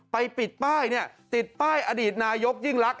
ไปปิดป้ายเนี่ยติดป้ายอดีตนายกยิ่งลักษ